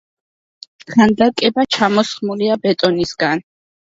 ქანდაკება ჩამოსხმულია ბეტონისაგან.